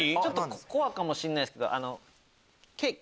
コアかもしんないっすけど。